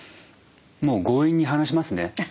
もう強引に話しますね。